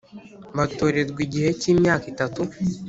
batorerwa igihe cy imyaka itatu.